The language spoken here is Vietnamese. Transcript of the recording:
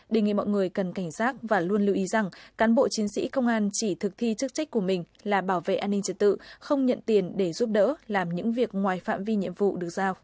đề nghị mọi người cần cảnh giác và luôn lưu ý rằng cán bộ chiến sĩ công an chỉ thực thi chức trách của mình là bảo vệ an ninh trật tự không nhận tiền để giúp đỡ làm những việc ngoài phạm vi nhiệm vụ được giao